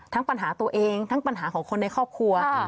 ปัญหาตัวเองทั้งปัญหาของคนในครอบครัว